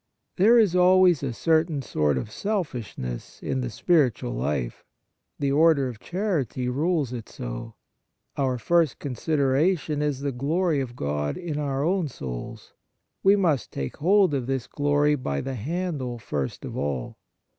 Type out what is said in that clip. There is always a certain sort of selfish ness in the spiritual life. The order of charity rules it so. Our first considera tion is the glory of God in our own souls. We must take hold of this glory by the handle first of all.